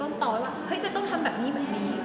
ต้นมาตลอดจะต้องใช้แบบนี้ใช้แบบนี้